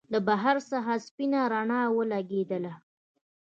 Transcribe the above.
له بهر څخه سپينه رڼا ولګېدله.